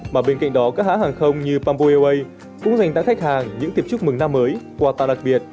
mà bên cạnh đó các hãng hàng không như pambo airways cũng dành tặng khách hàng những tiệc chúc mừng năm mới quà tặng đặc biệt